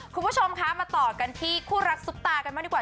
คุณผู้ชมคะมาต่อกันที่คู่รักซุปตากันบ้างดีกว่า